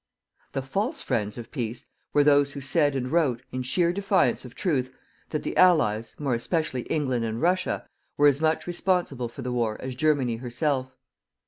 The FALSE friends of PEACE were those who said and wrote, in sheer defiance of truth, that the Allies, more especially England and Russia, were as much responsible for the war as Germany herself.